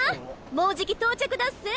もうじき到着だっせ！